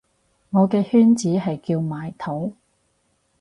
我嘅圈子係叫埋土